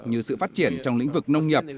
như sự phát triển trong lĩnh vực nông nghiệp